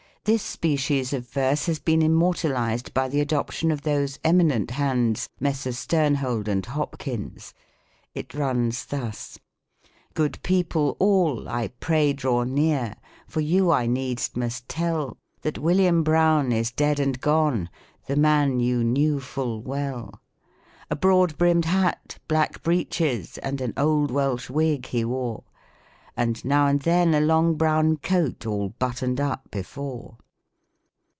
This species of verse has been immortalised by the adoption of those eminent hands, Messrs. Sternhold and Hopkins. It runs thus :— Good people all, I pray draw nt3ar, for you I needs must tell, That William Brown is dead and gone ; the man you knew full well. A broad brimm"d hat, black breeches, and an old Welch wig he wore : PKOSODY. 127 And now and then a long brown coat all button'd up before."